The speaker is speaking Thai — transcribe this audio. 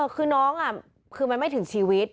คือน้องคือมันไม่ถึงชีวิต